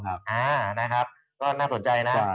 อ่านะครับก็น่าสนใจนะ